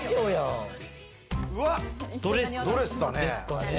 ドレスだね。